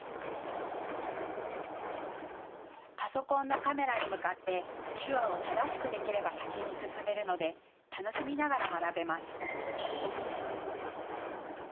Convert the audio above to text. パソコンのカメラに向かって手話を正しくできれば先に進めるので楽しみながら学べます。